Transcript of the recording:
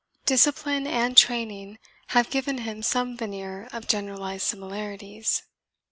Discipline and training have given him some veneer of generalised similarities.